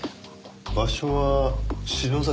場所は篠崎